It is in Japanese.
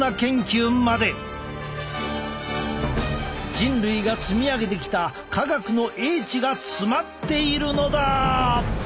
人類が積み上げてきた科学の叡智が詰まっているのだ！